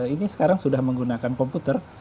ini sekarang sudah menggunakan komputer